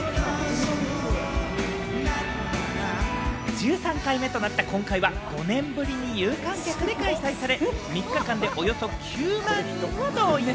１３回目となった今回は５年ぶりに有観客で開催され、３日間でおよそ９万人を動員。